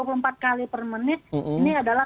per menit ini adalah